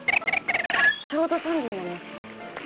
ちょうど３時になりますよ。